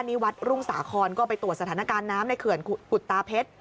นี่วัดรุ่งสาครก็ไปตรวจสถานการณ์น้ำในเขื่อนปุตาเพชร